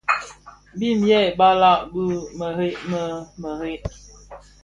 Bim yêê balàg bì mềrei bi mēreè.